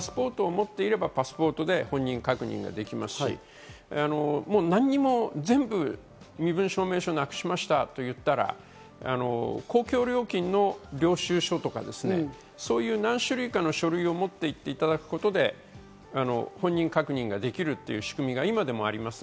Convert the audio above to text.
パスポートを持っていれば、パスポートで本人確認ができますし、何も全部、身分証明書を失くしましたと言ったら公共料金の領収書とか何種類かの書類を持っていていただくことで本人確認ができるっていう仕組みが今でもあります。